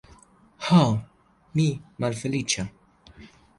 Ho, mi malfeliĉa!